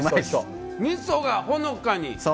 みそがほのかに。